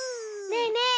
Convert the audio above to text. ねえねえ